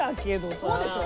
そうでしょ？